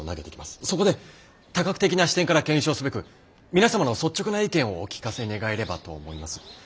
そこで多角的な視点から検証すべく皆様の率直な意見をお聞かせ願えればと思います。